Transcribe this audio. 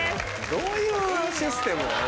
どういうシステムなの？